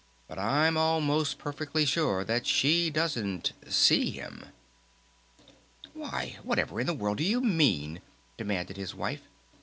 "But I'm almost perfectly sure that she doesn't ... see him." "Why, whatever in the world do you mean?" demanded his wife.